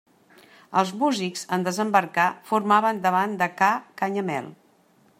Els músics, en desembarcar, formaven davant de ca Canyamel.